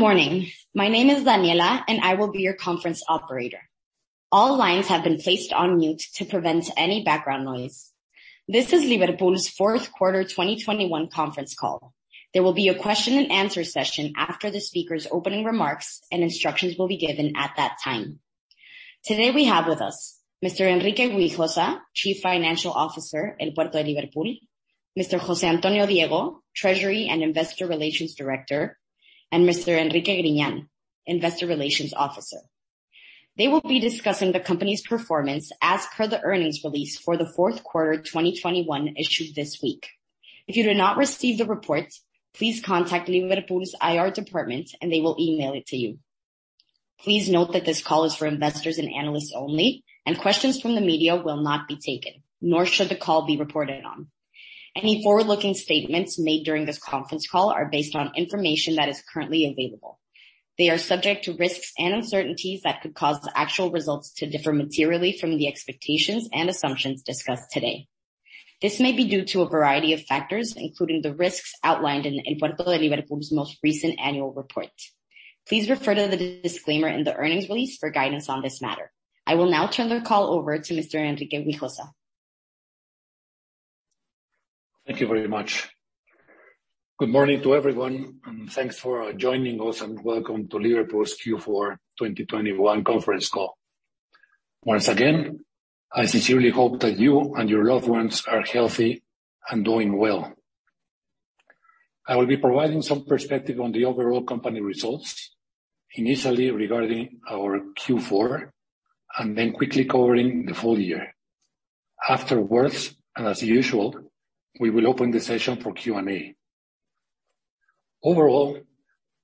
Good morning. My name is Daniela, and I will be your conference operator. All lines have been placed on mute to prevent any background noise. This is Liverpool's fourth quarter 2021 conference call. There will be a question and answer session after the speaker's opening remarks and instructions will be given at that time. Today, we have with us Mr. Enrique Güijosa, Chief Financial Officer, El Puerto de Liverpool, Mr. José Antonio Diego, Treasury and Investor Relations Director, and Mr. Enrique Griñán, Investor Relations Officer. They will be discussing the company's performance as per the earnings release for the fourth quarter 2021 issued this week. If you did not receive the report, please contact Liverpool's IR department and they will email it to you. Please note that this call is for investors and analysts only, and questions from the media will not be taken, nor should the call be reported on. Any forward-looking statements made during this conference call are based on information that is currently available. They are subject to risks and uncertainties that could cause the actual results to differ materially from the expectations and assumptions discussed today. This may be due to a variety of factors, including the risks outlined in El Puerto de Liverpool's most recent annual report. Please refer to the disclaimer in the earnings release for guidance on this matter. I will now turn the call over to Mr. Enrique Güijosa. Thank you very much. Good morning to everyone, and thanks for joining us, and welcome to Liverpool's Q4 2021 conference call. Once again, I sincerely hope that you and your loved ones are healthy and doing well. I will be providing some perspective on the overall company results, initially regarding our Q4, and then quickly covering the full year. Afterwards, and as usual, we will open the session for Q&A. Overall,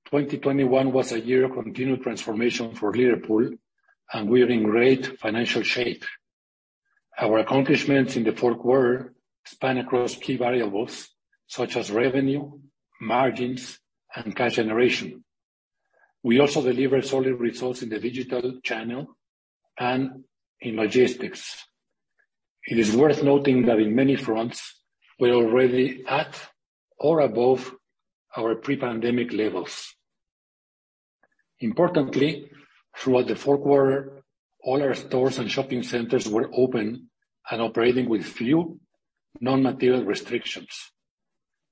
2021 was a year of continued transformation for Liverpool, and we are in great financial shape. Our accomplishments in the fourth quarter span across key variables such as revenue, margins, and cash generation. We also delivered solid results in the digital channel and in logistics. It is worth noting that in many fronts, we're already at or above our pre-pandemic levels. Importantly, throughout the fourth quarter, all our stores and shopping centers were open and operating with few non-material restrictions.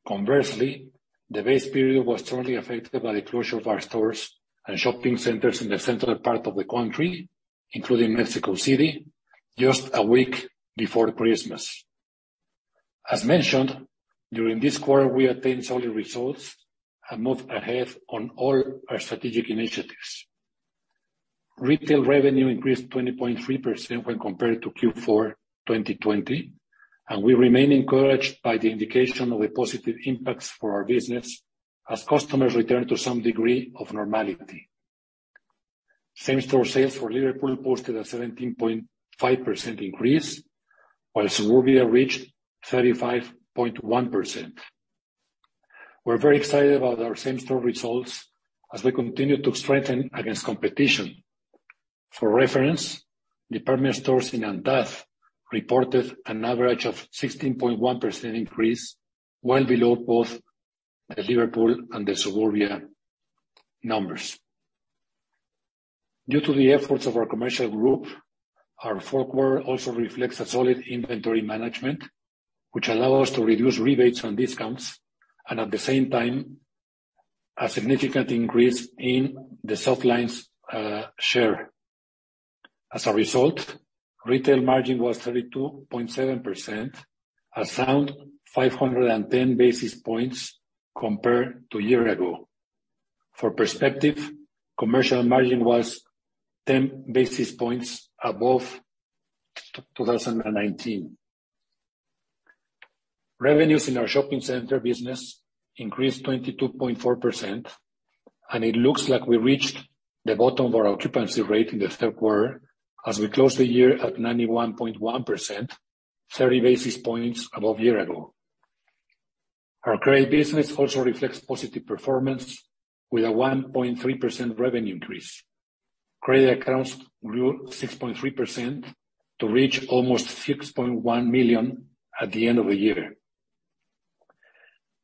Conversely, the base period was strongly affected by the closure of our stores and shopping centers in the central part of the country, including Mexico City, just a week before Christmas. As mentioned, during this quarter, we attained solid results and moved ahead on all our strategic initiatives. Retail revenue increased 20.3% when compared to Q4 2020, and we remain encouraged by the indication of the positive impacts for our business as customers return to some degree of normality. Same-store sales for Liverpool posted a 17.5% increase, while Suburbia reached 35.1%. We're very excited about our same-store results as they continue to strengthen against competition. For reference, department stores in ANTAD reported an average of 16.1% increase, well below both the Liverpool and the Suburbia numbers. Due to the efforts of our commercial group, our fourth quarter also reflects a solid inventory management, which allow us to reduce rebates on discounts and at the same time, a significant increase in the soft lines share. As a result, retail margin was 32.7%, a sound 510 basis points compared to year ago. For perspective, commercial margin was 10 basis points above 2019. Revenues in our shopping center business increased 22.4%, and it looks like we reached the bottom of our occupancy rate in the third quarter as we close the year at 91.1%, 30 basis points above year ago. Our credit business also reflects positive performance with a 1.3% revenue increase. Credit accounts grew 6.3% to reach almost 6.1 million at the end of the year.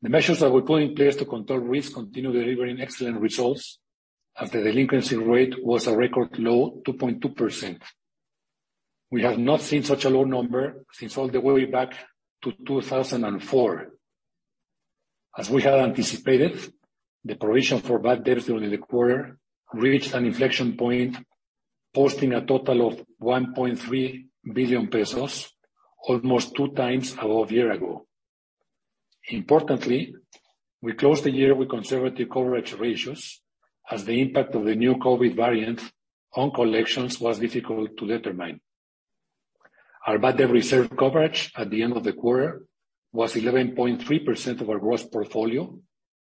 The measures that we put in place to control risk continue delivering excellent results, and the delinquency rate was a record low 2.2%. We have not seen such a low number since all the way back to 2004. As we had anticipated, the provision for bad debts during the quarter reached an inflection point, posting a total of 1.3 billion pesos, almost 2x above year ago. Importantly, we closed the year with conservative coverage ratios as the impact of the new COVID variant on collections was difficult to determine. Our bad debt reserve coverage at the end of the quarter was 11.3% of our gross portfolio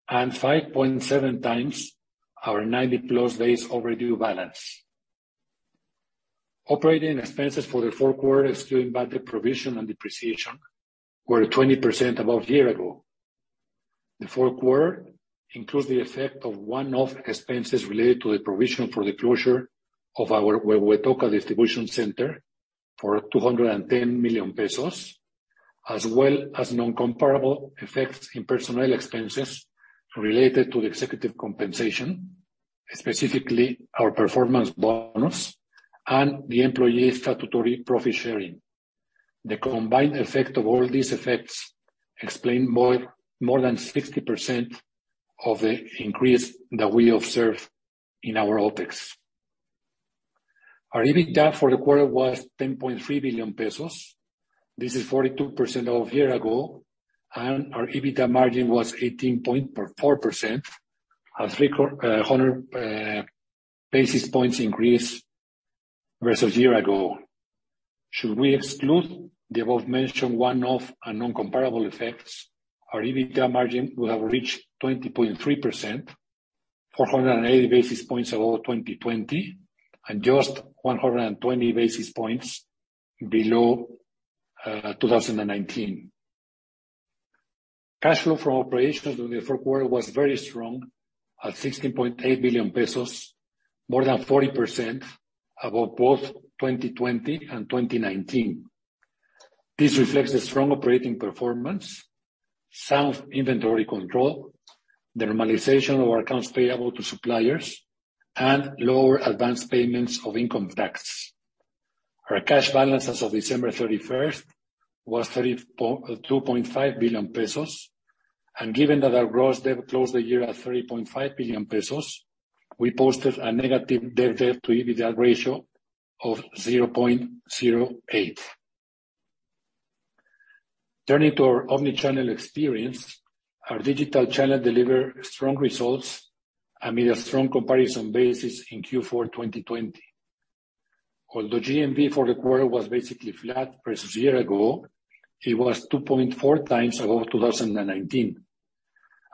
and 5.7x our 90+ days overdue balance. Operating expenses for the fourth quarter, excluding bad debt provision and depreciation, were 20% above year-ago. The fourth quarter includes the effect of one-off expenses related to the provision for the closure of our Huehuetoca distribution center for 210 million pesos. As well as non-comparable effects in personnel expenses related to the executive compensation, specifically our performance bonus and the employee statutory profit sharing. The combined effect of all these effects explain more than 60% of the increase that we observe in our OpEx. Our EBITDA for the quarter was 10.3 billion pesos. This is 42% over year ago, and our EBITDA margin was 18.4%, a 300 basis points increase versus year ago. Should we exclude the above-mentioned one-off and non-comparable effects, our EBITDA margin will have reached 20.3%, 480 basis points below 2020, and just 120 basis points below 2019. Cash flow from operations during the fourth quarter was very strong, at 16.8 billion pesos, more than 40% above both 2020 and 2019. This reflects the strong operating performance, sound inventory control, the normalization of accounts payable to suppliers, and lower advanced payments of income tax. Our cash balance as of December 31 was 32.5 billion pesos, and given that our gross debt closed the year at 3.5 billion pesos, we posted a negative debt-to-EBITDA ratio of 0.08. Turning to our omni-channel experience, our digital channel delivered strong results amid a strong comparison basis in Q4 2020. Although GMV for the quarter was basically flat versus year ago, it was 2.4x above 2019.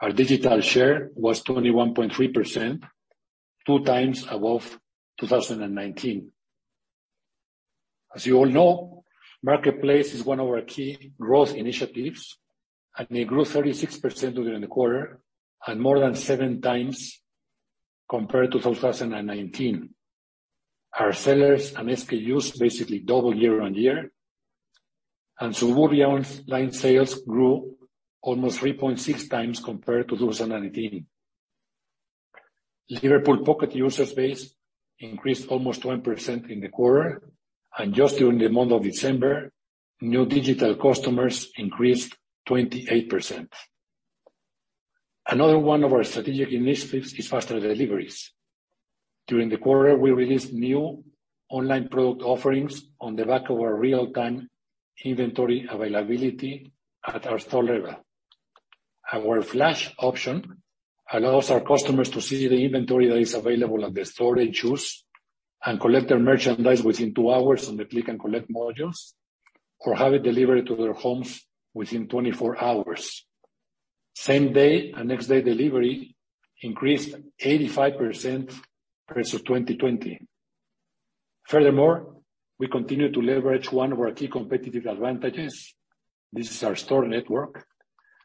Our digital share was 21.3%, 2x above 2019. As you all know, Marketplace is one of our key growth initiatives, and it grew 36% during the quarter and more than 7x compared to 2019. Our sellers and SKUs basically doubled year-on-year. Suburbia online sales grew almost 3.6x compared to 2019. Liverpool Pocket user base increased almost 10% in the quarter, and just during the month of December, new digital customers increased 28%. Another one of our strategic initiatives is faster deliveries. During the quarter, we released new online product offerings on the back of our real-time inventory availability at our store level. Our Flash option allows our customers to see the inventory that is available at the store they choose and collect their merchandise within two hours on the Click & Collect modules or have it delivered to their homes within 24 hours. Same day and next day delivery increased 85% versus 2020. Furthermore, we continue to leverage one of our key competitive advantages. This is our store network.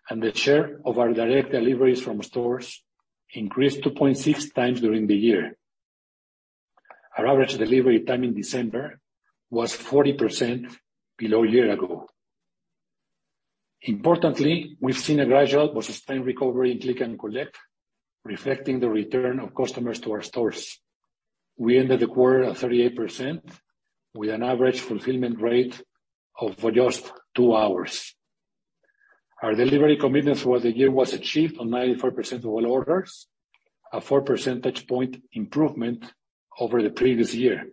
The share of our direct deliveries from stores increased 2.6x during the year. Our average delivery time in December was 40% below year-ago. Importantly, we've seen a gradual but sustained recovery in Click & Collect, reflecting the return of customers to our stores. We ended the quarter at 38% with an average fulfillment rate of just two hours. Our delivery commitments for the year was achieved on 94% of all orders, a four percentage point improvement over the previous year.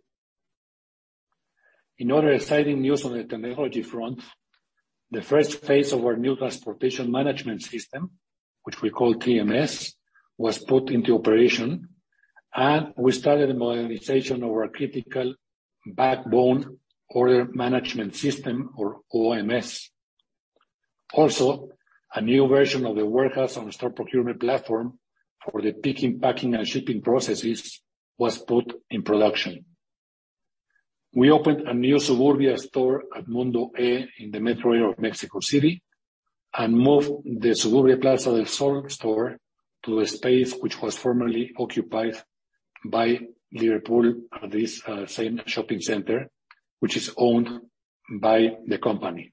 In other exciting news on the technology front, the first phase of our new transportation management system, which we call TMS, was put into operation, and we started the modernization of our critical backbone order management system or OMS. Also, a new version of the warehouse and store procurement platform for the picking, packing, and shipping processes was put in production. We opened a new Suburbia store at Mundo E in the metro area of Mexico City and moved the Suburbia Plaza Del Sol store to a space which was formerly occupied by Liverpool at this same shopping center, which is owned by the company.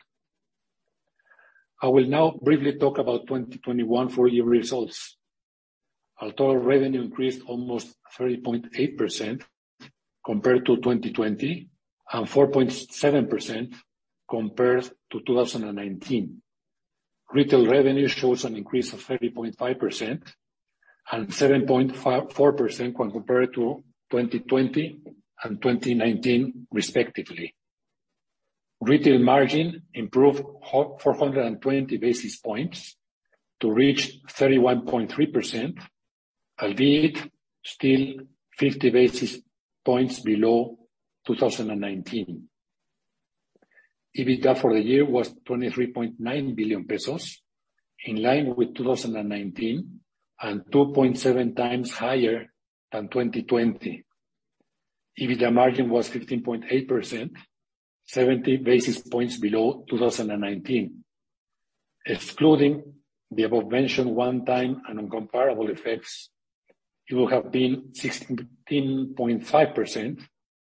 I will now briefly talk about 2021 full year results. Our total revenue increased almost 30.8% compared to 2020 and 4.7% compared to 2019. Retail revenue shows an increase of 30.5% and 7.54% when compared to 2020 and 2019 respectively. Retail margin improved 420 basis points to reach 31.3%, albeit still 50 basis points below 2019. EBITDA for the year was 23.9 billion pesos, in line with 2019 and 2.7x higher than 2020. EBITDA margin was 15.8%, 70 basis points below 2019. Excluding the above mentioned one-time and non-comparable effects, it will have been 16.5%,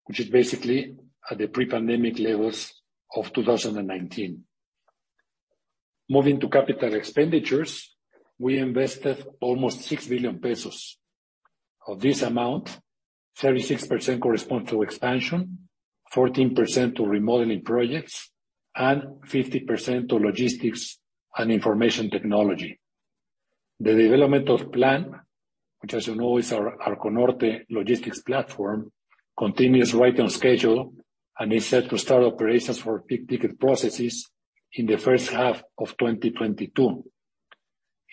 which is basically at the pre-pandemic levels of 2019. Moving to capital expenditures, we invested almost 6 billion pesos. Of this amount, 36% correspond to expansion, 14% to remodeling projects, and 50% to logistics and information technology. The development of PLAN, which as you know, is our Arco Norte logistics platform, continues right on schedule and is set to start operations for big ticket processes in the first half of 2022.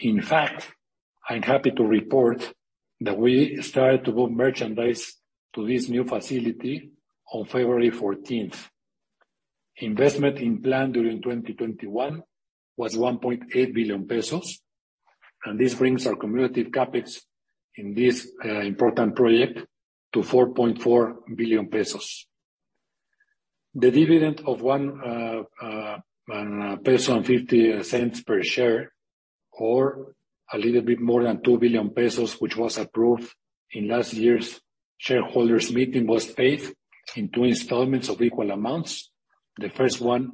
In fact, I'm happy to report that we started to move merchandise to this new facility on February 14. Investment in PLAN during 2021 was 1.8 billion pesos, and this brings our cumulative CapEx in this important project to 4.4 billion pesos. The dividend of 1.50 peso per share, or a little bit more than 2 billion pesos, which was approved in last year's shareholders meeting, was paid in two installments of equal amounts. The first one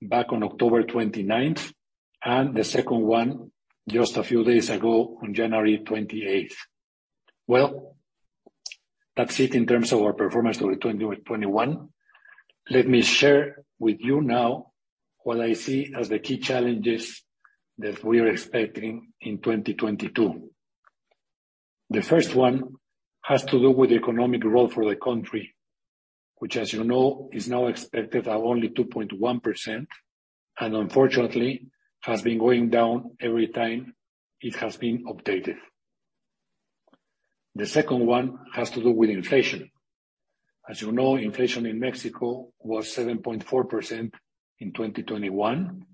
back on October 29, and the second one just a few days ago on January 28. Well, that's it in terms of our performance over 2021. Let me share with you now what I see as the key challenges that we are expecting in 2022. The first one has to do with the economic growth for the country, which, as you know, is now expected at only 2.1%, and unfortunately has been going down every time it has been updated. The second one has to do with inflation. As you know, inflation in Mexico was 7.4% in 2021,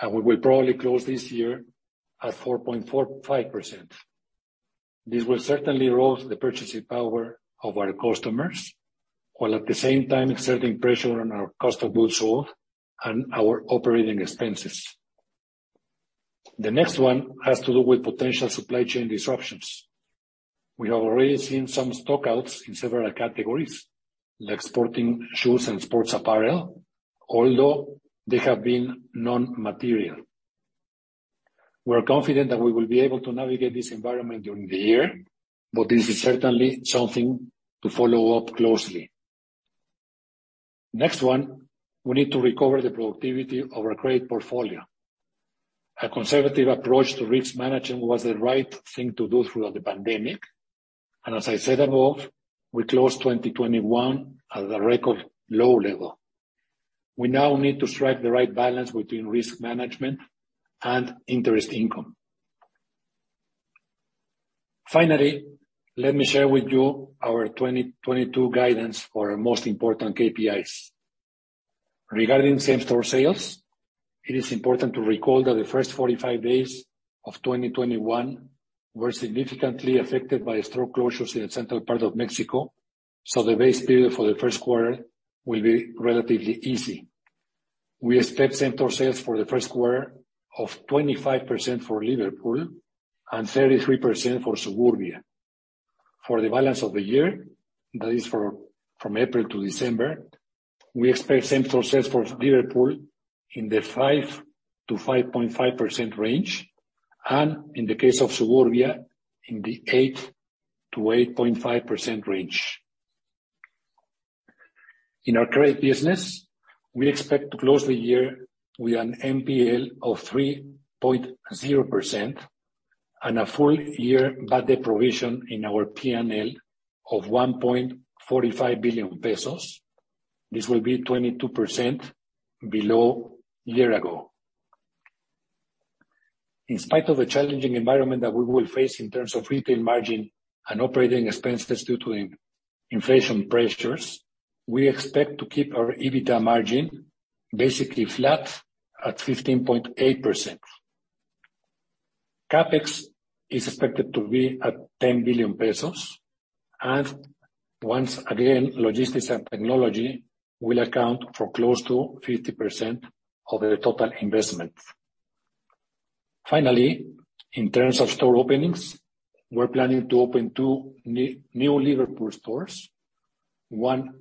and we will probably close this year at 4.45%. This will certainly erode the purchasing power of our customers, while at the same time exerting pressure on our cost of goods sold and our operating expenses. The next one has to do with potential supply chain disruptions. We have already seen some stock outs in several categories, like sporting shoes and sports apparel, although they have been immaterial. We're confident that we will be able to navigate this environment during the year, but this is certainly something to follow up closely. Next one, we need to recover the productivity of our credit portfolio. A conservative approach to risk management was the right thing to do throughout the pandemic, and as I said above, we closed 2021 at a record low level. We now need to strike the right balance between risk management and interest income. Finally, let me share with you our 2022 guidance for our most important KPIs. Regarding same store sales, it is important to recall that the first 45 days of 2021 were significantly affected by store closures in the central part of Mexico, so the base period for the first quarter will be relatively easy. We expect same store sales for the first quarter of 25% for Liverpool and 33% for Suburbia. For the balance of the year, that is, from April to December, we expect same store sales for Liverpool in the 5%-5.5% range, and in the case of Suburbia, in the 8%-8.5% range. In our credit business, we expect to close the year with an NPL of 3.0% and a full year bad debt provision in our P&L of 1.45 billion pesos. This will be 22% below year-ago. In spite of the challenging environment that we will face in terms of retail margin and operating expenses due to inflation pressures, we expect to keep our EBITDA margin basically flat at 15.8%. CapEx is expected to be at 10 billion pesos, and once again, logistics and technology will account for close to 50% of the total investment. Finally, in terms of store openings, we're planning to open two new Liverpool stores. One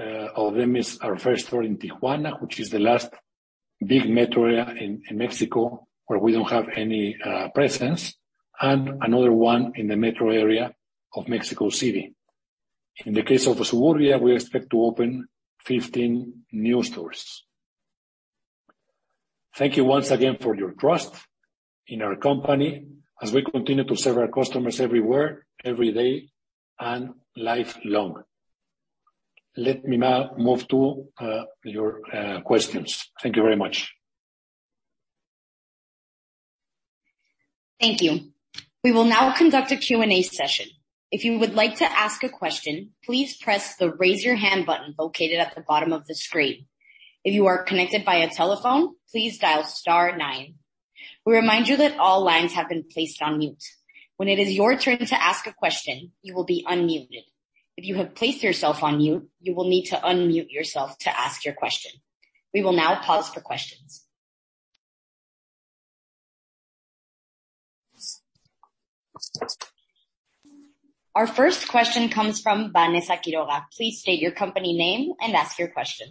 of them is our first store in Tijuana, which is the last big metro area in Mexico where we don't have any presence, and another one in the metro area of Mexico City. In the case of Suburbia, we expect to open 15 new stores. Thank you once again for your trust in our company as we continue to serve our customers everywhere, every day and lifelong. Let me now move to your questions. Thank you very much. Thank you. We will now conduct a Q&A session. If you would like to ask a question, please press the raise your hand button located at the bottom of the screen. If you are connected via telephone, please dial star nine. We remind you that all lines have been placed on mute. When it is your turn to ask a question, you will be unmuted. If you have placed yourself on mute, you will need to unmute yourself to ask your question. We will now pause for questions. Our first question comes from Vanessa Quiroga. Please state your company name and ask your question.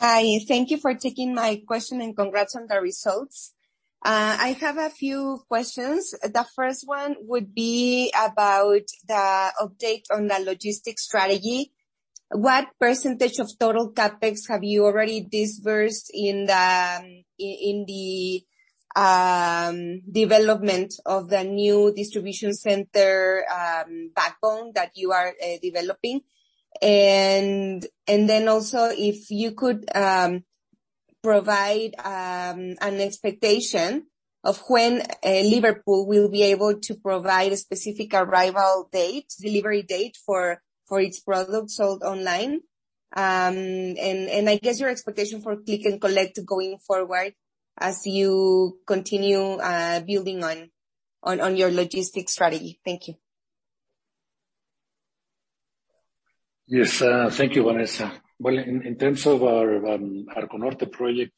Hi. Thank you for taking my question and congrats on the results. I have a few questions. The first one would be about the update on the logistics strategy. What percentage of total CapEx have you already disbursed in the development of the new distribution center backbone that you are developing? And then also if you could provide an expectation of when Liverpool will be able to provide a specific arrival date, delivery date for each product sold online. And I guess your expectation for Click & Collect going forward as you continue building on your logistics strategy. Thank you. Yes. Thank you, Vanessa. Well, in terms of our Arco Norte project,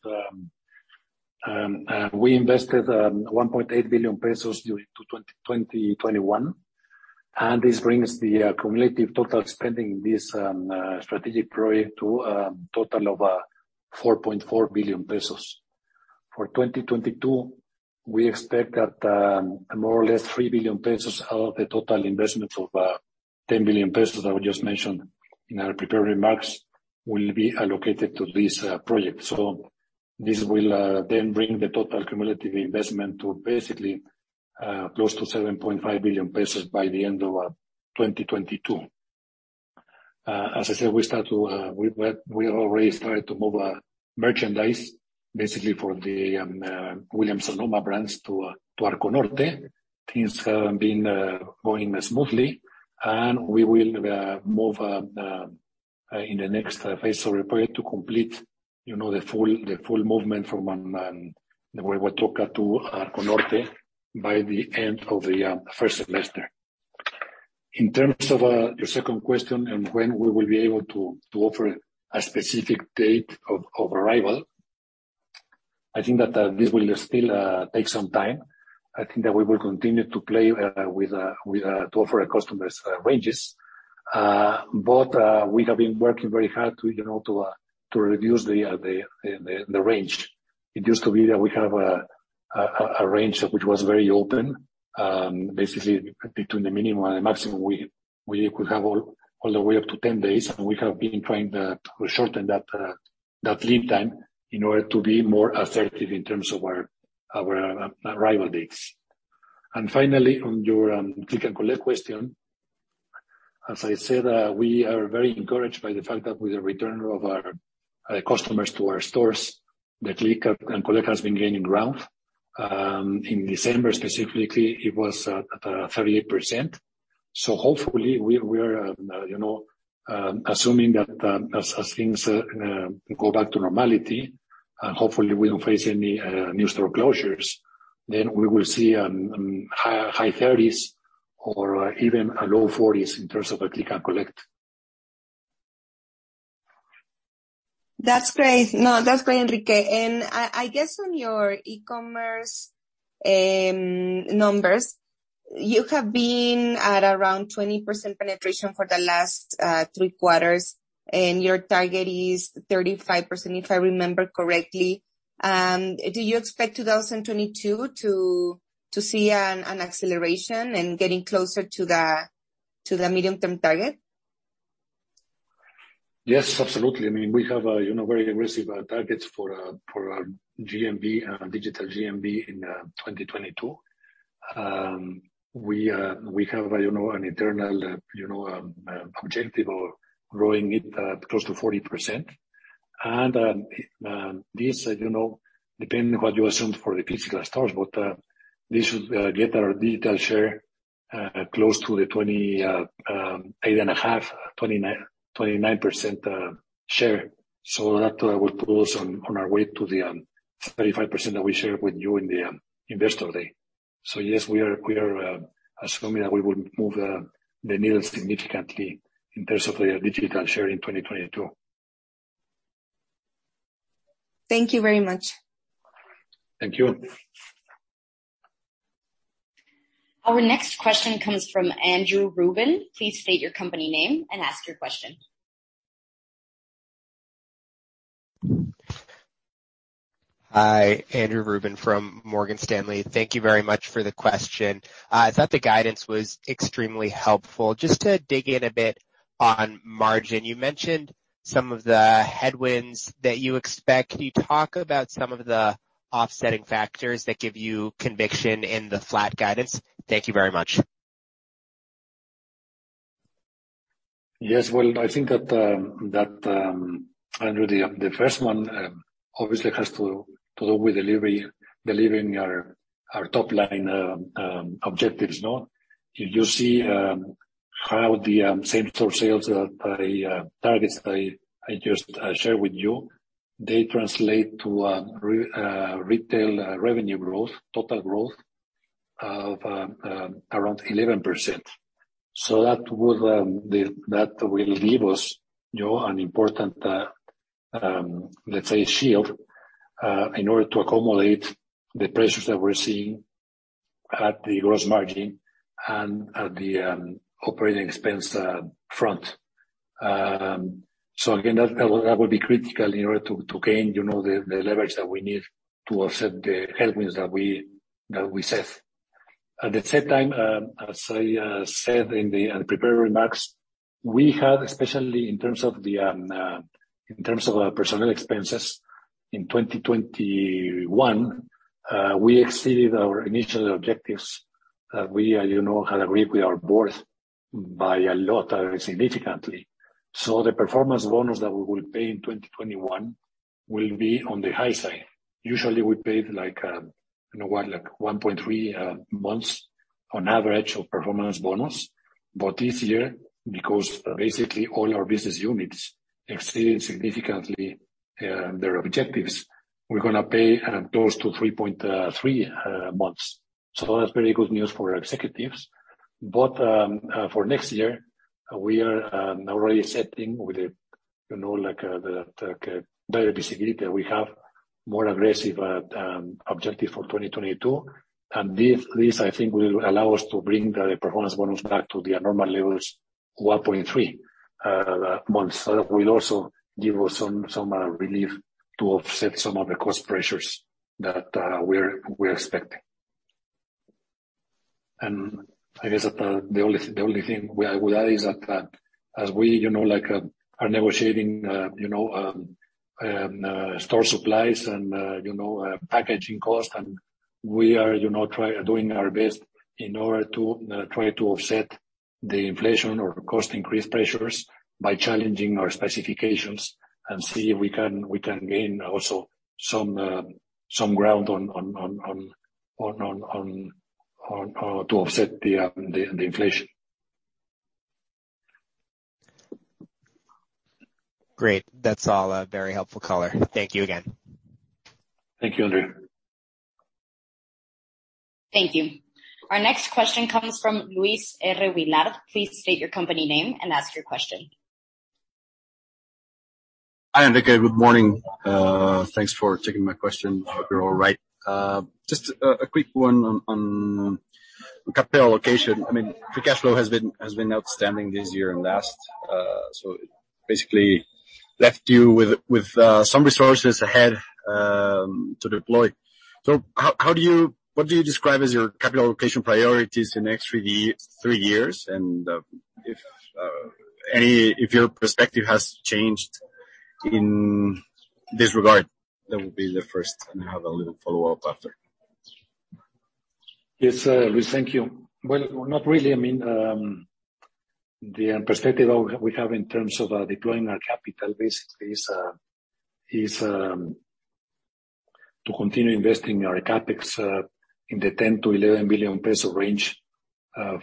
we invested 1.8 billion pesos during 2020, 2021, and this brings the cumulative total spending in this strategic project to a total of 4.4 billion pesos. For 2022, we expect that more or less 3 billion pesos out of the total investment of 10 billion pesos I would just mention in our prepared remarks will be allocated to this project. This will then bring the total cumulative investment to basically close to 7.5 billion pesos by the end of 2022. As I said, we are already starting to move merchandise basically for the Williams-Sonoma brands to Arco Norte. Things have been going smoothly, and we will move in the next phase of the project to complete, you know, the full movement from the Huehuetoca to Arco Norte by the end of the first semester. In terms of your second question and when we will be able to offer a specific date of arrival, I think that this will still take some time. I think that we will continue to play with to offer our customers ranges. We have been working very hard to, you know, to reduce the range. It used to be that we have a range which was very open, basically between the minimum and the maximum, we could have all the way up to 10 days, and we have been trying to shorten that lead time in order to be more effective in terms of our arrival dates. Finally, on your Click & Collect question, as I said, we are very encouraged by the fact that with the return of our customers to our stores, the Click & Collect has been gaining ground. In December specifically, it was at 38%. Hopefully we are, you know, assuming that as things go back to normality, hopefully we don't face any new store closures, then we will see high 30s% or even low 40s% in terms of our Click & Collect. That's great. No, that's great, Enrique. I guess on your e-commerce numbers, you have been at around 20% penetration for the last three quarters, and your target is 35%, if I remember correctly. Do you expect 2022 to see an acceleration and getting closer to the medium-term target? Yes, absolutely. I mean, we have you know very aggressive targets for our GMV and digital GMV in 2022. We have you know an internal objective of growing it close to 40%. This you know depending what you assumed for the physical stores, but this should get our digital share close to the 28.5-29% share. That will put us on our way to the 35% that we shared with you in the Investor Day. Yes, we are assuming that we would move the needle significantly in terms of the digital share in 2022. Thank you very much. Thank you. Our next question comes from Andrew Ruben. Please state your company name and ask your question. Hi, Andrew Ruben from Morgan Stanley. Thank you very much for the question. I thought the guidance was extremely helpful. Just to dig in a bit on margin, you mentioned some of the headwinds that you expect. Can you talk about some of the offsetting factors that give you conviction in the flat guidance? Thank you very much. Yes. Well, I think that Andrew, the first one obviously has to do with delivery, delivering our top line objectives, no? You see how the same-store sales by targets I just shared with you. They translate to retail revenue growth, total growth of around 11%. That will give us, you know, an important, let's say shield in order to accommodate the pressures that we're seeing at the gross margin and at the operating expense front. Again, that will be critical in order to gain, you know, the leverage that we need to offset the headwinds that we set. At the same time, as I said in the prepared remarks, we had, especially in terms of our personnel expenses in 2021, we exceeded our initial objectives that we, you know, had agreed with our board by a lot, significantly. The performance bonus that we will pay in 2021 will be on the high side. Usually, we pay like, you know what, like 1.3 months on average of performance bonus. This year, because basically all our business units exceeded significantly their objectives, we're gonna pay close to three months. That's very good news for our executives. For next year, we are already setting with the better visibility we have more aggressive objective for 2022. This I think will allow us to bring the performance bonus back to the normal levels, 1.3 months. That will also give us some relief to offset some of the cost pressures that we're expecting. I guess that the only thing we would add is that, as we, you know, like, are negotiating, you know, store supplies and, you know, packaging costs, and we are, you know, doing our best in order to try to offset the inflation or cost increase pressures by challenging our specifications and see if we can gain also some ground on to offset the inflation. Great. That's all, very helpful color. Thank you again. Thank you, Andrew. Thank you. Our next question comes from Luis Willard. Please state your company name and ask your question. Hi, Enrique. Good morning. Thanks for taking my question. Hope you're all right. Just a quick one on capital allocation. I mean, the cash flow has been outstanding this year and last. It basically left you with some resources ahead to deploy. What do you describe as your capital allocation priorities in the next three years? If your perspective has changed in this regard? That would be the first, and I have a little follow-up after. Yes, Luis. Thank you. Well, not really. I mean, the perspective we have in terms of deploying our capital base is to continue investing our CapEx in the 10 billion-11 billion peso range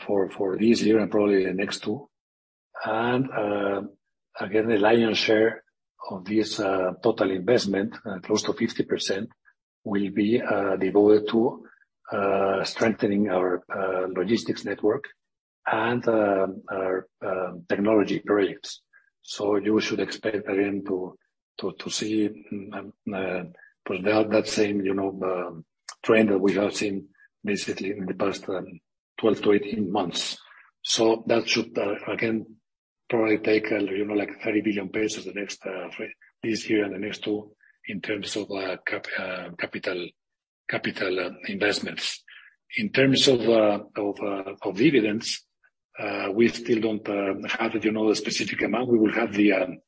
for this year and probably the next two. Again, the lion's share of this total investment, close to 50% will be devoted to strengthening our logistics network and our technology projects. You should expect, again, to see perhaps that same, you know, trend that we have seen basically in the past 12-18 months. That should again probably take, you know, like 30 billion pesos the next, this year and the next two in terms of capital investments. In terms of dividends, we still don't have, you know, a specific amount. We will have the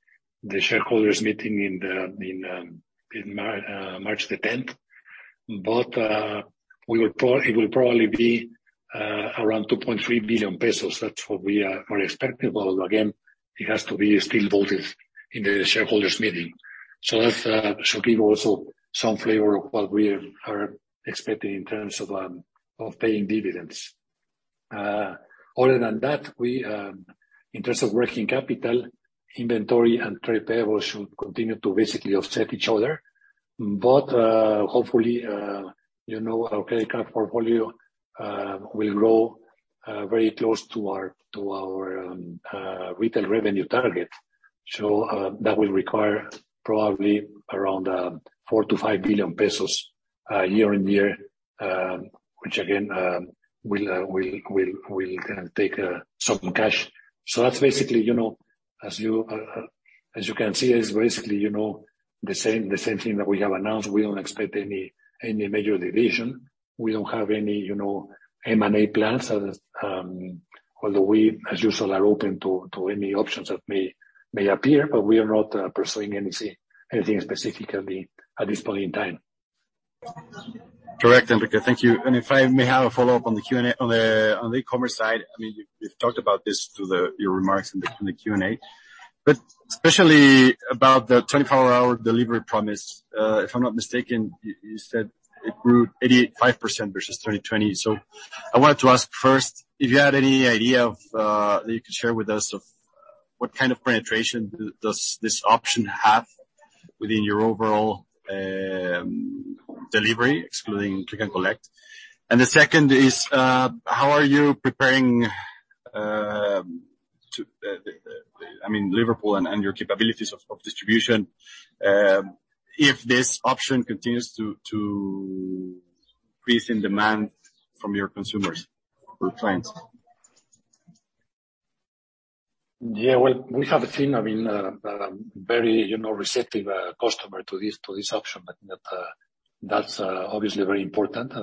shareholders meeting in March 10. It will probably be around 2.3 billion pesos. That's what we are expecting. Again, it has to be still voted in the shareholders meeting. That should give also some flavor of what we are expecting in terms of paying dividends. Other than that, in terms of working capital, inventory and trade payables should continue to basically offset each other. Hopefully, you know, our credit card portfolio will grow very close to our retail revenue target. That will require probably around 4 billion-5 billion pesos year-on-year, which again will take some cash. That's basically, you know, as you can see, it's basically, you know, the same thing that we have announced. We don't expect any major deviation. We don't have any, you know, M&A plans, although we, as usual, are open to any options that may appear, but we are not pursuing anything specifically at this point in time. Correct, Enrique. Thank you. If I may have a follow-up on the Q&A on the e-commerce side. I mean, you've talked about this through your remarks in the Q&A, but especially about the 24-hour delivery promise, if I'm not mistaken, you said it grew 85% versus 2020. I wanted to ask first if you had any idea that you could share with us of what kind of penetration does this option have within your overall delivery, excluding Click & Collect. The second is, how are you preparing, I mean, Liverpool and your capabilities of distribution, if this option continues to increase in demand from your consumers or clients? Yeah. Well, we have seen, I mean, very receptive customer to this option. That's obviously very important.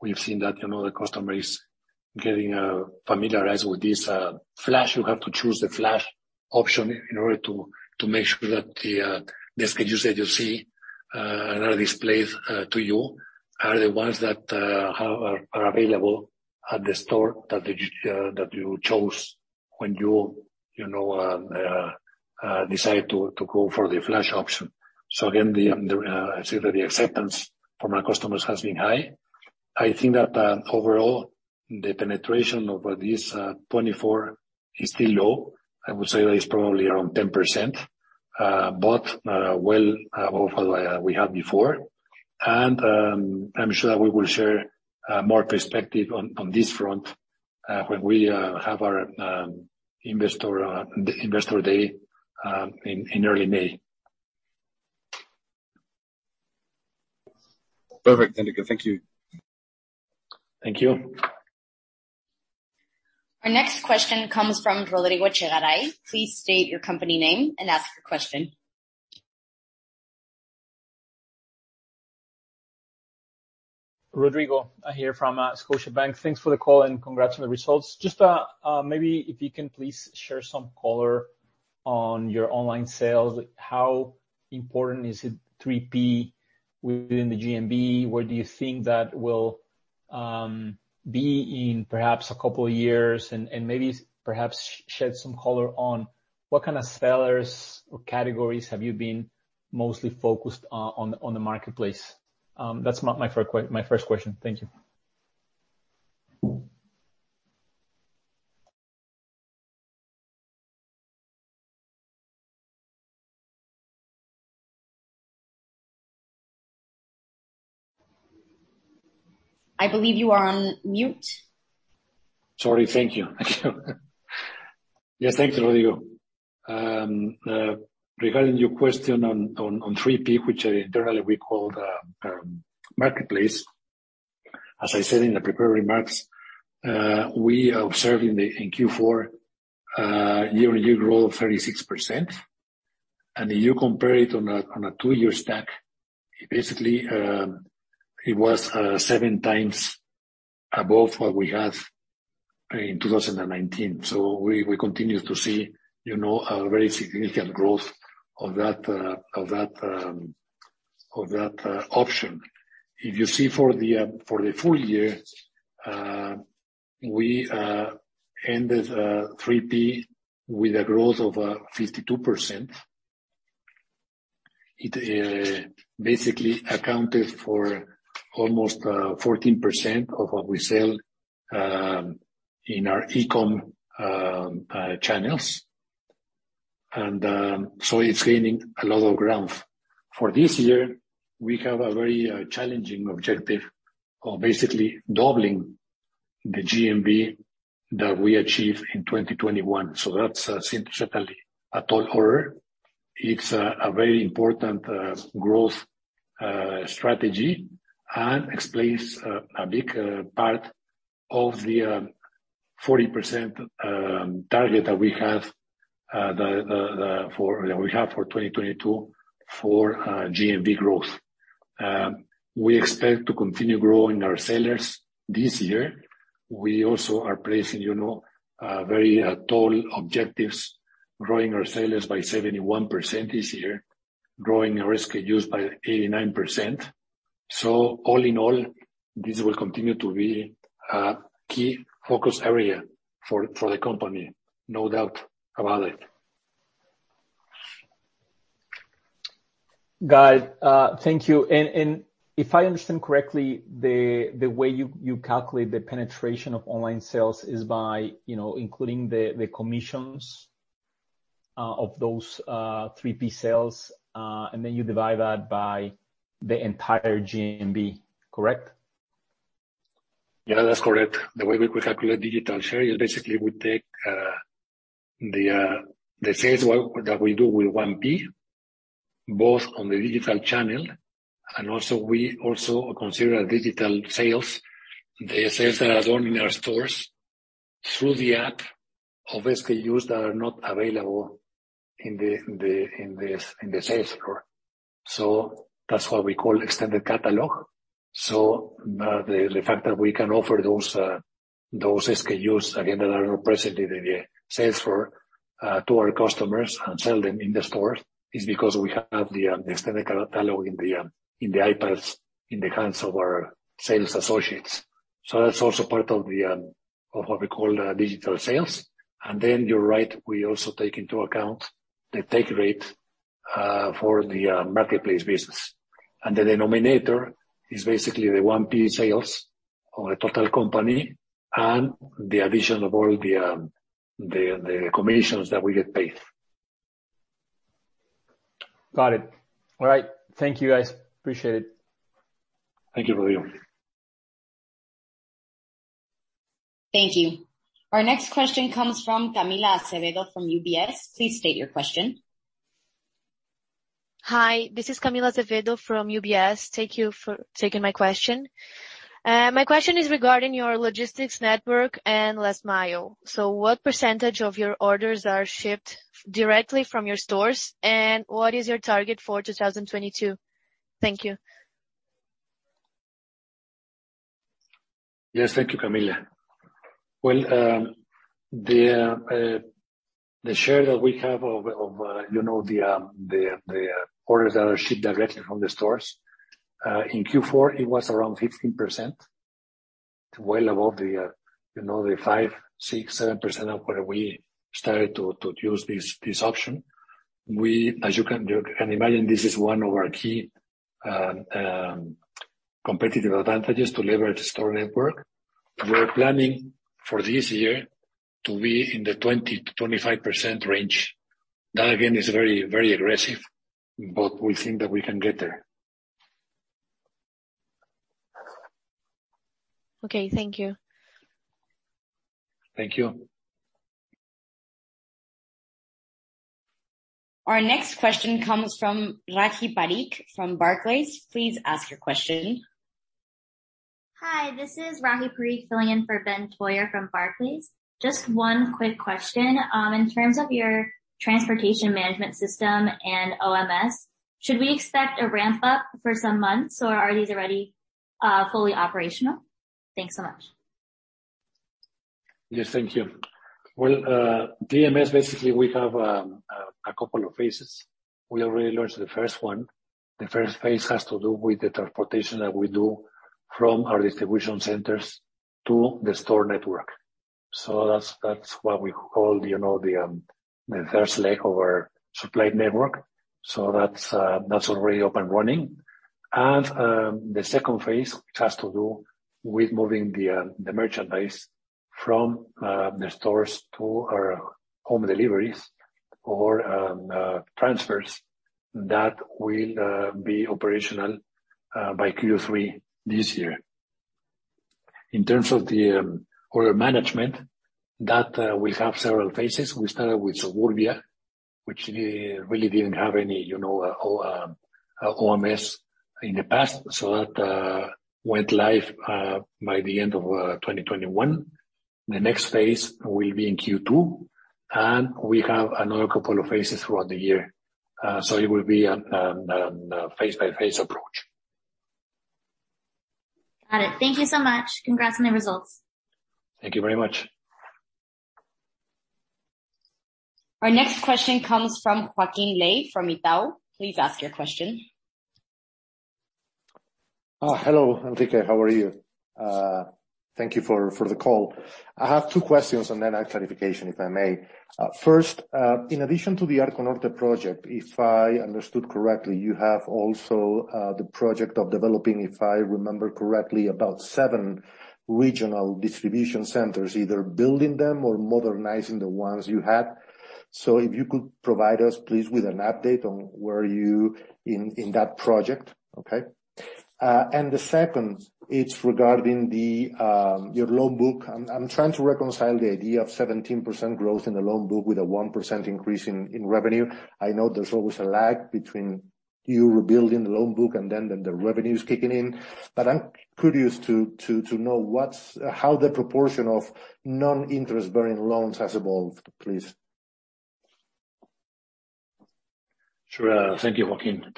We've seen that, you know, the customer is getting familiarized with this Flash. You have to choose the Flash option in order to make sure that the SKUs that you see that are displayed to you are the ones that are available at the store that you chose when you know decide to go for the Flash option. Again, I'd say that the acceptance from our customers has been high. I think that overall, the penetration of this 24 is still low. I would say that it's probably around 10%. Well above what we had before. I'm sure that we will share more perspective on this front when we have our Investor Day in early May. Perfect. Very good. Thank you. Thank you. Our next question comes from Rodrigo Echagaray. Please state your company name and ask your question. Rodrigo here from Scotiabank. Thanks for the call and congrats on the results. Just maybe if you can please share some color on your online sales. How important is it, 3P within the GMV? Where do you think that will be in perhaps a couple of years and maybe shed some color on what kind of sellers or categories have you been mostly focused on the marketplace? That's my first question. Thank you. I believe you are on mute. Sorry. Thank you. Yes. Thank you, Rodrigo. Regarding your question on 3P, which internally we call Marketplace. As I said in the prepared remarks, we are observing in Q4 year-on-year growth of 36%. You compare it on a two-year stack, basically, it was 7x above what we had in 2019. We continue to see, you know, a very significant growth of that option. If you see for the full year, we ended 3P with a growth of 52%. It basically accounted for almost 14% of what we sell in our eCom channels. It's gaining a lot of ground. For this year, we have a very challenging objective of basically doubling the GMV that we achieved in 2021. That's essentially a tall order. It's a very important growth strategy and explains a big part of the 40% target that we have for 2022 for GMV growth. We expect to continue growing our sellers this year. We also are placing, you know, very tall objectives, growing our sellers by 71% this year, growing our SKUs by 89%. All in all, this will continue to be a key focus area for the company. No doubt about it. Got it. Thank you. If I understand correctly, the way you calculate the penetration of online sales is by including the commissions of those 3P sales, and then you divide that by the entire GMV, correct? Yeah, that's correct. The way we calculate digital share is basically we take the sales that we do with 1P, both on the digital channel and we also consider digital sales, the sales that are done in our stores through the app of SKUs that are not available in the sales floor. That's what we call extended catalog. The fact that we can offer those SKUs, again, that are not present in the sales floor, to our customers and sell them in the stores, is because we have the extended catalog in the iPads in the hands of our sales associates. That's also part of what we call digital sales. You're right, we also take into account the take rate for the Marketplace business. The denominator is basically the 1P sales of the total company and the addition of all the commissions that we get paid. Got it. All right. Thank you, guys. Appreciate it. Thank you, Rodrigo. Thank you. Our next question comes from Camila Azevedo from UBS. Please state your question. Hi, this is Camila Azevedo from UBS. Thank you for taking my question. My question is regarding your logistics network and last mile. What percentage of your orders are shipped directly from your stores, and what is your target for 2022? Thank you. Yes. Thank you, Camila. Well, the share that we have of you know the orders that are shipped directly from the stores in Q4, it was around 15%, well above you know the 5%-7% of where we started to use this option. We, as you can imagine, this is one of our key competitive advantages to leverage the store network. We're planning for this year to be in the 20%-25% range. That, again, is very, very aggressive, but we think that we can get there. Okay. Thank you. Thank you. Our next question comes from Rahi Parikh from Barclays. Please ask your question. Hi, this is Rahi Parikh filling in for Ben Theurer from Barclays. Just one quick question. In terms of your transportation management system and OMS, should we expect a ramp up for some months, or are these already fully operational? Thanks so much. Yes. Thank you. Well, TMS, basically, we have a couple of phases. We already launched the first one. The first phase has to do with the transportation that we do from our distribution centers to the store network. That's what we call, you know, the first leg of our supply network. That's already up and running. The second phase, which has to do with moving the merchandise from the stores to our home deliveries or transfers, will be operational by Q3 this year. In terms of the order management, that will have several phases. We started with Suburbia, which really didn't have any, you know, OMS in the past. That went live by the end of 2021. The next phase will be in Q2, and we have another couple of phases throughout the year. It will be a phase by phase approach. Got it. Thank you so much. Congrats on the results. Thank you very much. Our next question comes from Joaquín Ley from Itaú. Please ask your question. Hello, Enrique. How are you? Thank you for the call. I have two questions and then a clarification, if I may. First, in addition to the Arco Norte project, if I understood correctly, you have also the project of developing, if I remember correctly, about seven regional distribution centers, either building them or modernizing the ones you have. If you could provide us, please, with an update on where you are in that project. Okay? And the second is regarding your loan book. I'm trying to reconcile the idea of 17% growth in the loan book with a 1% increase in revenue. I know there's always a lag between you rebuilding the loan book and then the revenues kicking in, but I'm curious to know what's. How the proportion of non-interest bearing loans has evolved, please? Sure. Thank you, Joaquin.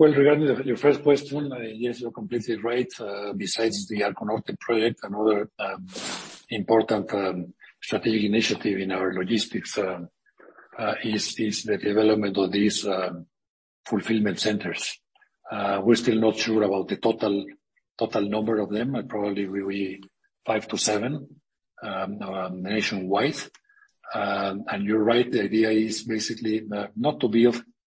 Well, regarding your first question, yes, you're completely right. Besides the Arco Norte project, another important strategic initiative in our logistics is the development of these fulfillment centers. We're still not sure about the total number of them. Probably will be 5-7 nationwide. You're right, the idea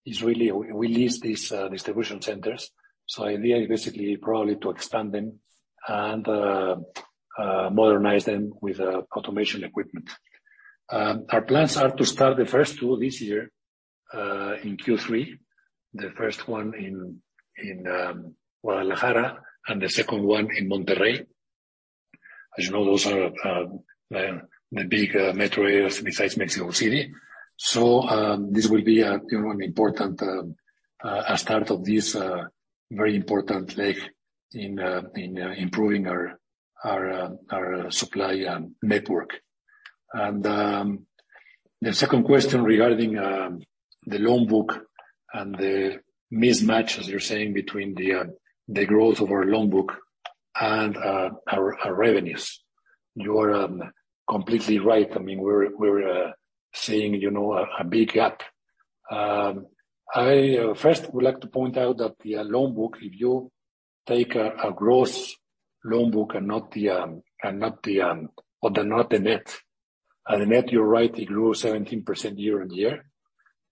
is really we lease these distribution centers. Ideally, basically probably to expand them and modernize them with automation equipment. Our plans are to start the first two this year in Q3. The first one in Guadalajara and the second one in Monterrey. As you know, those are the big metro areas besides Mexico City. This will be, you know, an important start of this very important leg in improving our supply network. The second question regarding the loan book and the mismatch, as you're saying, between the growth of our loan book and our revenues. You are completely right. I mean, we're seeing, you know, a big gap. I first would like to point out that the loan book, if you take a gross loan book and not the net. At the net, you're right, it grew 17% year-over-year.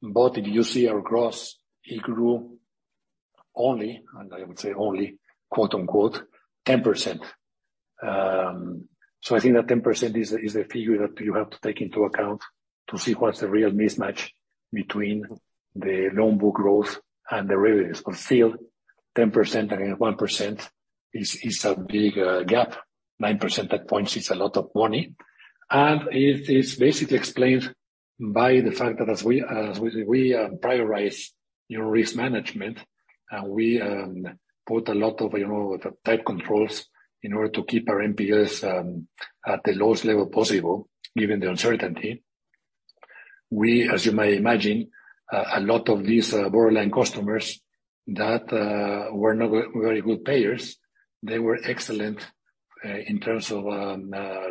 If you see our gross, it grew only, and I would say only quote-unquote, 10%. I think that 10% is a figure that you have to take into account to see what's the real mismatch between the loan book growth and the revenues. Still 10% and 1% is a big gap. Nine percentage points is a lot of money, and it is basically explained by the fact that as we prioritize, you know, risk management and we put a lot of, you know, tight controls in order to keep our NPLs at the lowest level possible, given the uncertainty. As you may imagine, a lot of these borderline customers that were not very good payers, they were excellent in terms of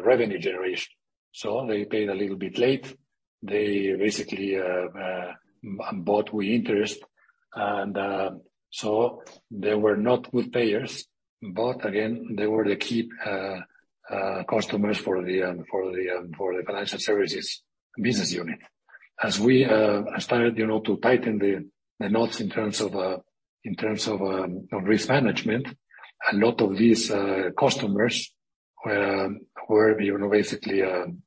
revenue generation. They paid a little bit late. They basically bought with interest. They were not good payers. Again, they were the key customers for the financial services business unit. As we started, you know, to tighten the knots in terms of risk management, a lot of these customers were, you know, basically, you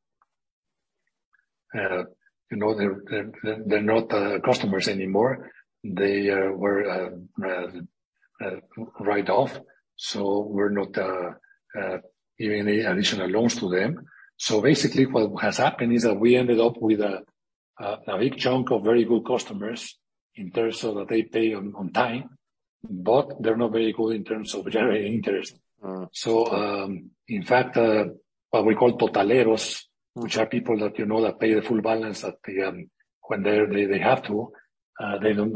know, they're not customers anymore. They were written off, so we're not giving any additional loans to them. Basically what has happened is that we ended up with a big chunk of very good customers in terms of they pay on time, but they're not very good in terms of generating interest. Mm-hmm. In fact, what we call totaleros, which are people that, you know, pay the full balance when they have to, they don't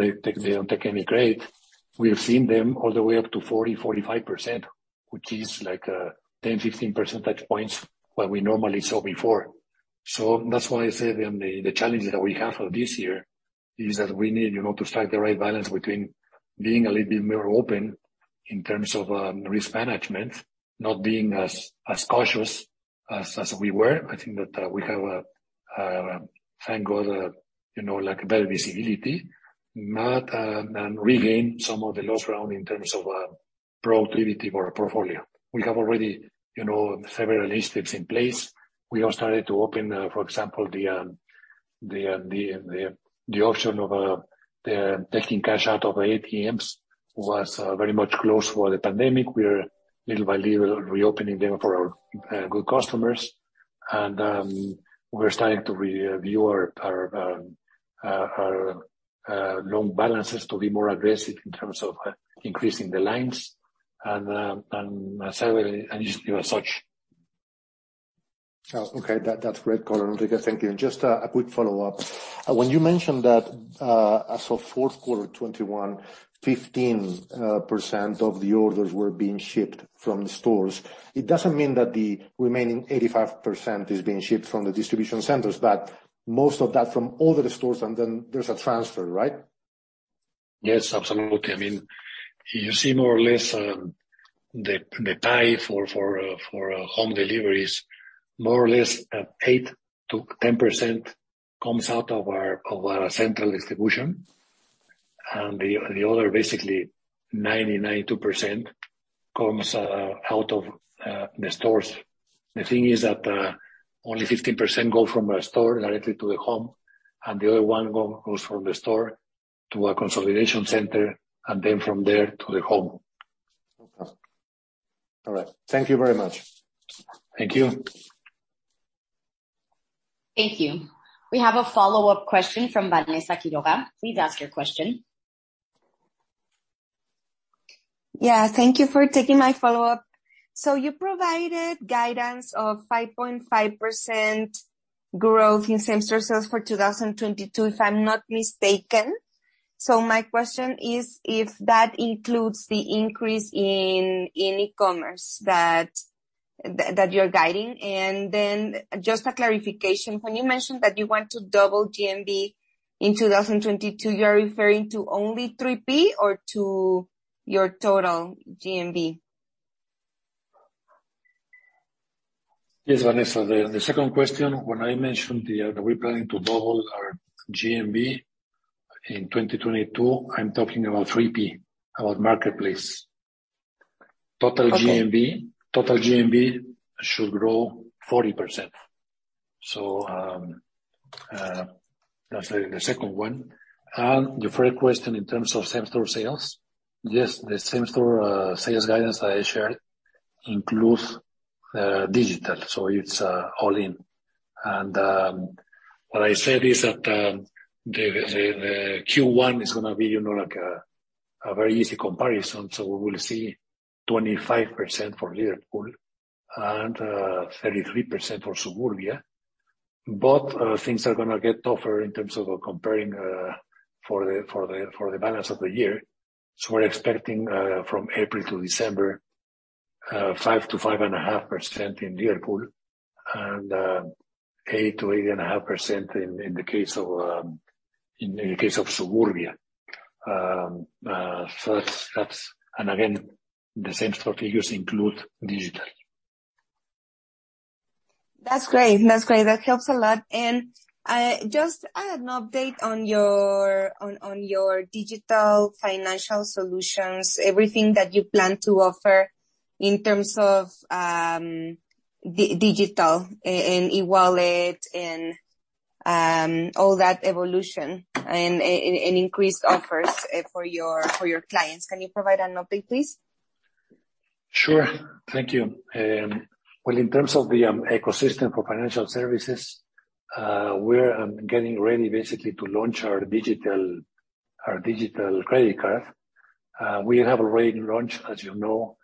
take any credit. We've seen them all the way up to 40-45%, which is like 10-15 percentage points what we normally saw before. That's why I said the challenge that we have for this year is that we need, you know, to strike the right balance between being a little bit more open in terms of risk management, not being as cautious as we were. I think that we have, thank God, you know, like better visibility now and regain some of the lost ground in terms of productivity for our portfolio. We have already, you know, several initiatives in place. We have started to open, for example, the option of taking cash out of ATMs was very much closed for the pandemic. We're little by little reopening them for our good customers. We're starting to review our loan balances to be more aggressive in terms of increasing the lines and salary and just, you know, such. Oh, okay. That's great color, Enrique. Thank you. Just a quick follow-up. When you mentioned that, as of fourth quarter 2021, 15% of the orders were being shipped from the stores, it doesn't mean that the remaining 85% is being shipped from the distribution centers, but most of that from all the stores, and then there's a transfer, right? Yes, absolutely. I mean, you see more or less the pie for home deliveries more or less at 8%-10% comes out of our central distribution. The other basically 92% comes out of the stores. The thing is that only 15% go from a store directly to the home, and the other ones go from the store to a consolidation center, and then from there to the home. Okay. All right. Thank you very much. Thank you. Thank you. We have a follow-up question from Vanessa Quiroga. Please ask your question. Yeah. Thank you for taking my follow-up. You provided guidance of 5.5% growth in same store sales for 2022, if I'm not mistaken. My question is if that includes the increase in e-commerce that you're guiding. Then just a clarification. When you mentioned that you want to double GMV in 2022, you're referring to only 3P or to your total GMV? Yes, Vanessa. The second question, when I mentioned that we're planning to double our GMV in 2022, I'm talking about 3P, about marketplace. Total GMV should grow 40%. That's the second one. The first question in terms of same store sales, yes, the same store sales guidance I shared includes digital, so it's all in. What I said is that the Q1 is gonna be, you know, like a very easy comparison. We will see 25% for Liverpool and 33% for Suburbia. Things are gonna get tougher in terms of comparing for the balance of the year. We're expecting from April to December 5%-5.5% in Liverpool and 8%-8.5% in the case of Suburbia. That's. Again, the same store figures include digital. That's great. That helps a lot. Just an update on your digital financial solutions, everything that you plan to offer in terms of digital and e-wallet and all that evolution and increased offers for your clients. Can you provide an update, please? Sure. Thank you. Well, in terms of the ecosystem for financial services, we're getting ready basically to launch our digital credit card. We have already launched, as you know,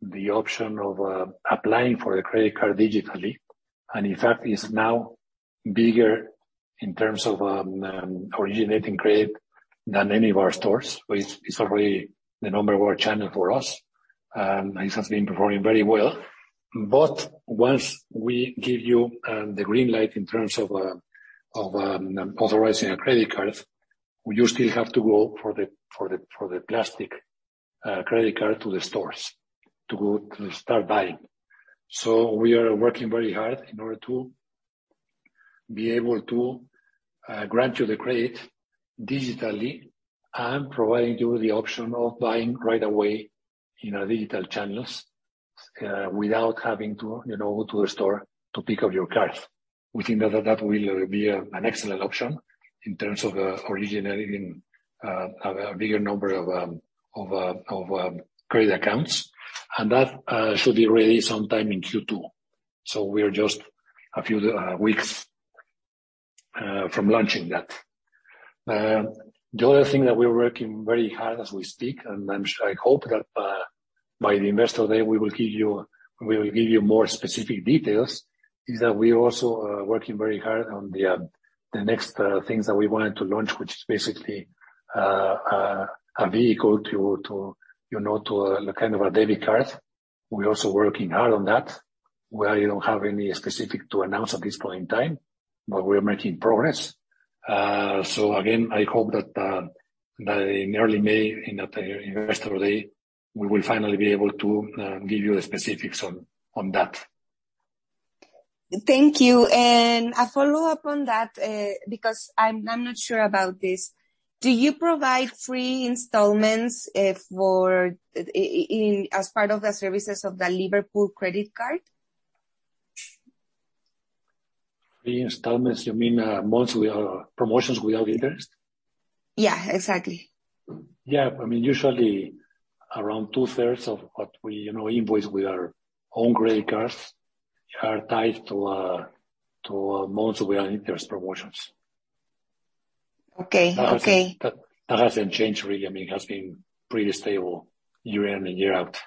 the option of applying for a credit card digitally. In fact, it's now bigger in terms of originating credit than any of our stores. It's already the number one channel for us, and this has been performing very well. Once we give you the green light in terms of authorizing a credit card, you still have to go for the plastic credit card to the stores to go to start buying. We are working very hard in order to be able to grant you the credit digitally and providing you the option of buying right away in our digital channels without having to, you know, go to a store to pick up your card. We think that will be an excellent option in terms of originating a bigger number of credit accounts. That should be ready sometime in Q2. We are just a few weeks from launching that. The other thing that we're working very hard as we speak, I hope that by the Investor Day, we will give you more specific details, is that we're also working very hard on the next things that we wanted to launch, which is basically a vehicle to, you know, to a kind of a debit card. We're also working hard on that. Well, we don't have any specifics to announce at this point in time, but we are making progress. So again, I hope that in early May, in that Investor Day, we will finally be able to give you the specifics on that. Thank you. A follow-up on that, because I'm not sure about this. Do you provide free installments as part of the services of the Liverpool credit card? Free installments, you mean, monthly or promotions without interest? Yeah, exactly. Yeah. I mean, usually around two-thirds of what we, you know, invoice with our own credit cards are tied to months where interest promotions. Okay. Okay. That hasn't changed really. I mean, it has been pretty stable year in and year out.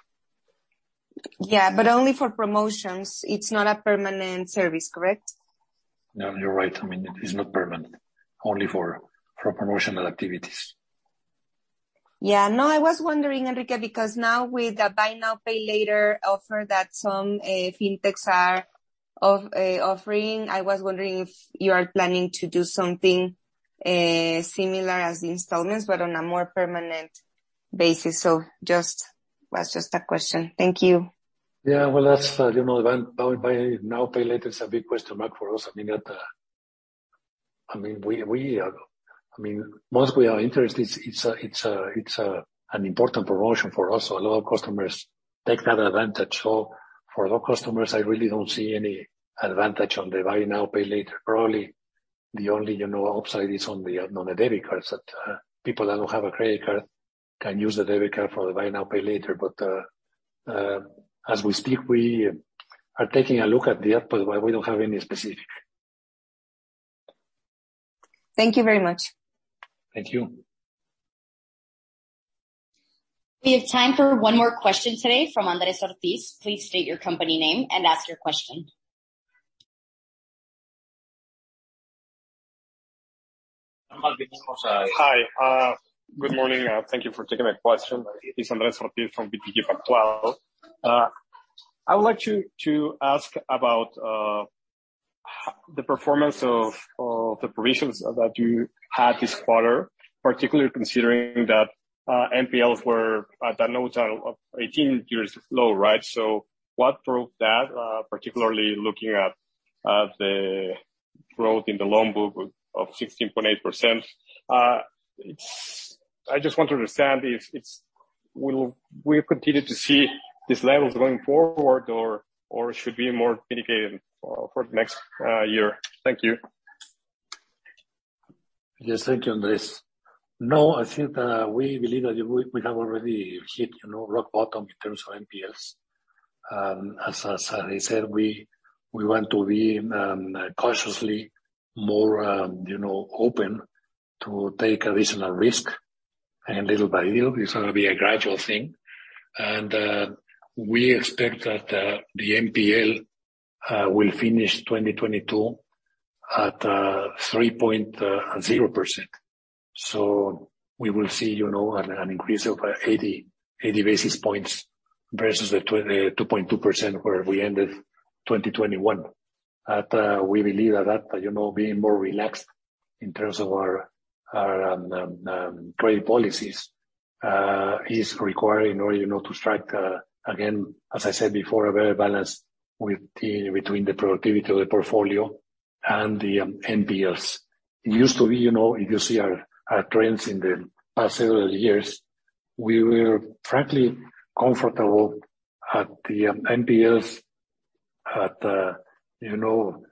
Yeah, only for promotions. It's not a permanent service, correct? No, you're right. I mean, it's not permanent. Only for promotional activities. Yeah. No, I was wondering, Enrique, because now with the buy now, pay later offer that some fintechs are offering, I was wondering if you are planning to do something similar as the installments, but on a more permanent basis. So just, that's just a question. Thank you. Yeah, well, that's, you know, buy now, pay later is a big question mark for us. I mean, I mean, we, I mean, once we are interested, it's an important promotion for us. A lot of customers take that advantage. For low customers, I really don't see any advantage on the buy now, pay later. Probably the only, you know, upside is on the debit cards that people that don't have a credit card can use the debit card for the buy now, pay later. As we speak, we are taking a look at the output, but we don't have any specific. Thank you very much. Thank you. We have time for one more question today from Andrés Ortiz. Please state your company name and ask your question. Good morning. Thank you for taking my question. It's Andrés Ortiz from BTG Pactual. I would like to ask about the performance of the provisions that you had this quarter, particularly considering that NPLs were at the lowest in 18 years, right? What drove that, particularly looking at the growth in the loan book of 16.8%? I just want to understand if we will continue to see these levels going forward or should we be more cautious for the next year? Thank you. Yes. Thank you, Andres. No, I think that we believe that we have already hit, you know, rock bottom in terms of NPLs. As I said, we want to be cautiously more, you know, open to take a reasonable risk. Little by little, it's gonna be a gradual thing. We expect that the NPL will finish 2022 at 3.0%. We will see, you know, an increase of 80 basis points versus the 2.2% where we ended 2021. We believe that, you know, being more relaxed in terms of our credit policies is required in order, you know, to strike, again, as I said before, a better balance between the productivity of the portfolio and the NPLs. It used to be, you know, if you see our trends in the past several years, we were frankly comfortable with the NPLs at 4.4%.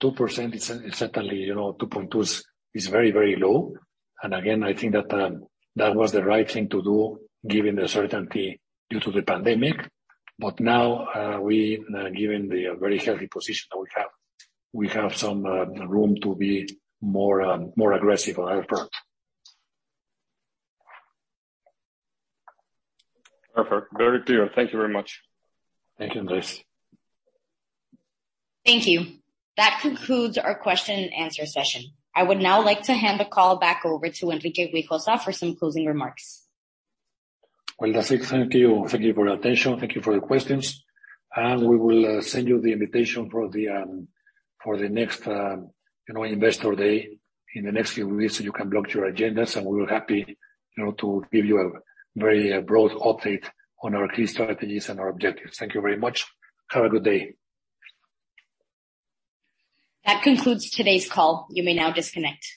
Two percent is certainly, you know, 2.2% is very low. Again, I think that was the right thing to do given the uncertainty due to the pandemic. Now, we, given the very healthy position that we have, we have some room to be more aggressive on our part. Perfect. Very clear. Thank you very much. Thank you, Andres. Thank you. That concludes our question and answer session. I would now like to hand the call back over to Enrique Güijosa for some closing remarks. Well, that's it. Thank you. Thank you for your attention. Thank you for your questions. We will send you the invitation for the next you know Investor Day in the next few weeks, so you can block your agendas, and we're happy you know to give you a very broad update on our key strategies and our objectives. Thank you very much. Have a good day. That concludes today's call. You may now disconnect.